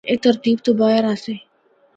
اے ترتیب تو باہر آسے۔